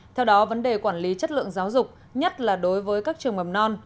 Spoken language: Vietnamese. theo đó vấn đề quản lý chất lượng giáo dục nhất là đối với các trường mầm non